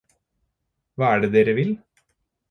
Hva er det dere vil?